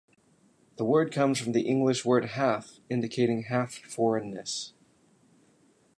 The word comes from the English word "half" indicating half foreign-ness.